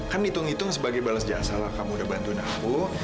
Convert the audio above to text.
kan hitung hitung sebagai balas jasalah kamu udah bantuin aku